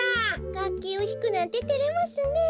がっきをひくなんててれますねえ。